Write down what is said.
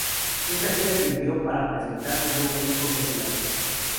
Esta gira sirvió para presentar su nuevo disco Get Lucky.